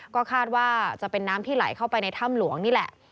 ก็คาดว่าจะเป็นน้ำที่ไหลเข้าไปในถ้ำหลวงนี่แหละ